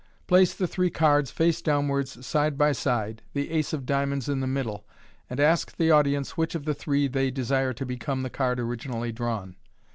Place the three cards face downwards side by side, the ace oi diamonds in the middle, and ask the audience which of the three thejr desire to become the card originally drawn.